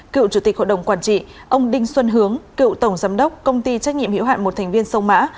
cựu chủ tịch hội đồng quản trị ông đinh xuân hướng cựu tổng giám đốc công ty trách nhiệm hiệu hạn một thành viên sông mã